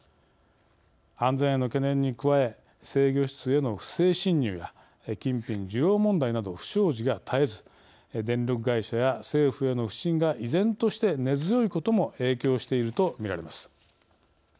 安全への懸念に加え制御室への不正進入や金品受領問題など不祥事が絶えず電力会社や政府への不信が依然として根強いことも影響しているとみられます。